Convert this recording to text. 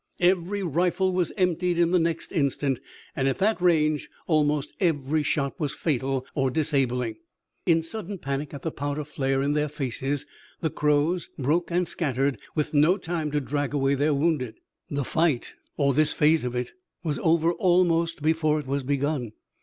Every rifle was emptied in the next instant, and at that range almost every shot was fatal or disabling. In sudden panic at the powder flare in their faces, the Crows broke and scattered, with no time to drag away their wounded. The fight, or this phase of it, was over almost before it was begun.